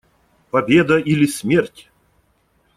Победа или смерть.